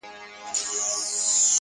• صندان د محبت دي په هر واري مخته راسي.